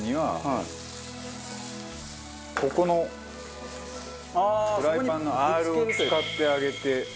ここのフライパンのアールを使ってあげて。